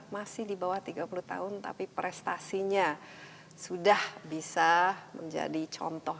masih di bawah tiga puluh tahun tapi prestasinya sudah bisa menjadi contoh